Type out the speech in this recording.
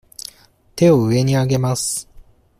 手を上に上げます。